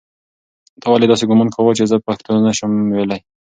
تا ولې داسې ګومان کاوه چې زه پښتو نه شم ویلی؟